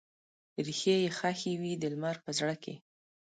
ریښې یې ښخې وي د لمر په زړه کې